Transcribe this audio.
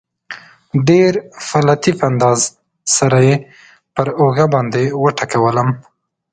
ډېر په لطیف انداز سره یې پر اوږه باندې وټکولم.